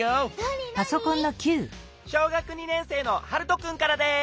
小学２年生のハルトくんからです。